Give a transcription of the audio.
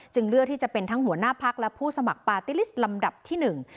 เลือกที่จะเป็นทั้งหัวหน้าพักและผู้สมัครปาร์ตี้ลิสต์ลำดับที่หนึ่ง